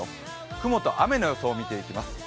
雲と雨の予想を見ていきます。